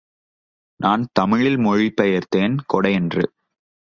நான் தமிழில் மொழி பெயர்த்தேன் கொடை என்று.